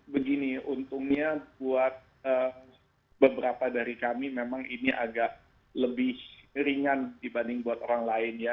begini untungnya buat beberapa dari kami memang ini agak lebih ringan dibanding buat orang lain ya